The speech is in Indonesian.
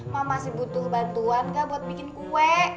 ma masih butuh bantuan ga buat bikin kue